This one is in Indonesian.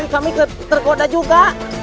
kami tergoda juga